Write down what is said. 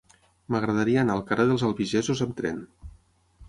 M'agradaria anar al carrer dels Albigesos amb tren.